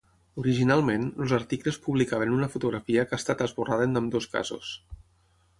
Originalment, els articles publicaven una fotografia que ha estat esborrada en ambdós casos.